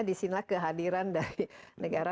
disinilah kehadiran dari negara